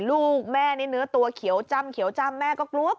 ลูกแม่นิดนึงตัวเขียวจำแม่ก็กลัว